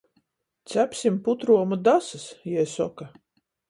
"Cepsim putruomu dasys," jei soka.